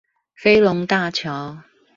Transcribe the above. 飛龍大橋